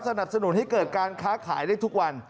สนับสนุนให้เกิดการค้าขายได้ทุกวัน